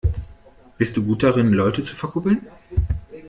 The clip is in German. Bist du gut darin, Leute zu verkuppeln?